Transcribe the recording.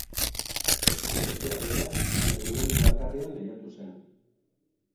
Bestea, beraz, jardunaldi bakarrean lehiatu zen.